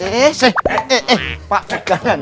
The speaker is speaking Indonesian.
eh eh eh pak pegangan